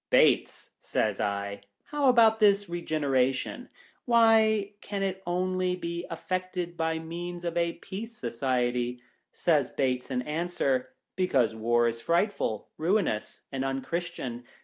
" Bates," says I, " how about this Begeneration ? Why can it only be effected by means of a Peace Society 1 " Says Bates in answer, " Because War is frightful, ruinous, and unchristian.